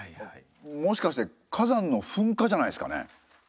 もしかして火山の噴火じゃないですかね？